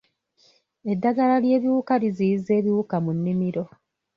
Eddagala ly'ebiwuka liziyiza ebiwuka mu nnimiro.